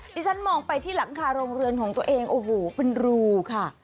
ที่ฉันมองไปที่หลังคาโรงเรือนของตัวเองโอ้โหเป็นรูค่ะ